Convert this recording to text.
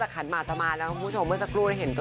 ขันหมากมาแล้วโอ้โฮ